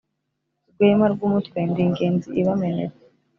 Rwema rw' umutwe ndi Ingenzi ibamenera